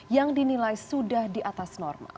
yang dinilai sudah di atas norma